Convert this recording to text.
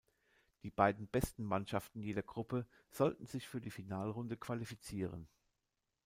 Die beiden besten Mannschaften jeder Gruppe sollten sich für die Finalrunde qualifizieren.